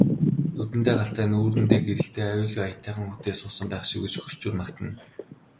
Нүдэндээ галтай нүүртээ гэрэлтэй аюулын аятайхан хүүтэй суусан байх шив гэж хөгшчүүд магтана.